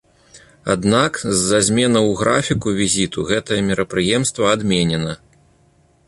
Аднак з-за зменаў у графіку візіту гэтае мерапрыемства адменена.